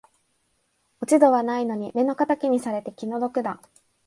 落ち度はないのに目の敵にされて気の毒だ